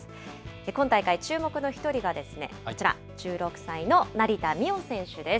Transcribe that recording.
今大会、注目の一人がこちら、１６歳の成田実生選手です。